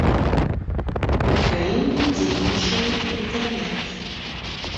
У краіне дзейнічае інтэрнэт.